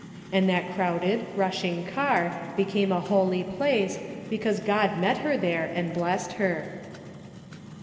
And that crowded, rushing car became a holy place, because God met her there and blessed her.